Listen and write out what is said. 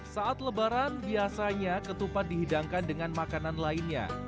saat lebaran biasanya ketupat dihidangkan dengan makanan lainnya